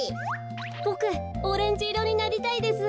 ボクオレンジいろになりたいです。